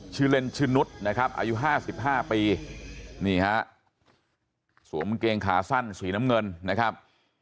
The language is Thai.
ชื่อเล่นชื่อนุษย์นะครับอายุ๕๕ปีนี่ฮะสวมกางเกงขาสั้นสีน้ำเงินนะครับ